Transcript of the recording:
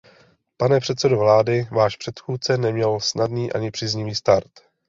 Pane předsedo vlády, váš předchůdce neměl snadný ani příznivý start.